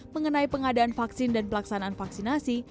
mengenai pengadaan vaksin dan pelaksanaan vaksinasi